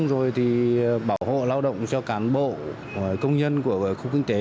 rồi thì bảo hộ lao động cho cán bộ công nhân của khu kinh tế